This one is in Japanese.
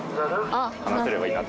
話せればいいなと。